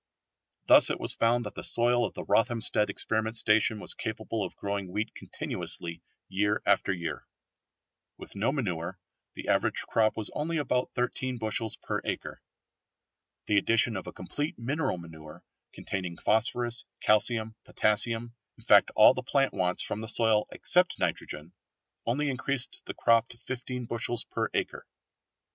Thus it was found that the soil of the Rothamsted Experiment Station was capable of growing wheat continuously year after year. With no manure the average crop was only about 13 bushels per acre. The addition of a complete mineral manure containing phosphorus, calcium, potassium, in fact all the plant wants from the soil except nitrogen, only increased the crop to 15 bushels per acre.